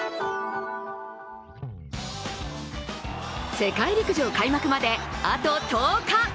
世界陸上開幕まで、あと１０日。